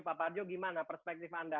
pak parjo gimana perspektif anda